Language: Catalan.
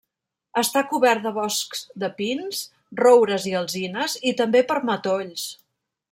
Està cobert de boscs de pins, roures i alzines, i també per matolls.